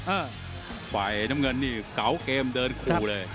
ค่ะไฟน้ำเงินนี่เก๋าเกมเดินกูเลย